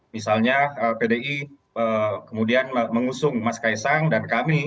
misalnya pdi kemudian mengusung mas kaisang dan kami